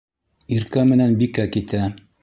Иркә менән Бикә китә.